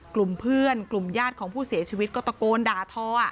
กลุ่มเพื่อนกลุ่มญาติของผู้เสียชีวิตก็ตะโกนด่าทอ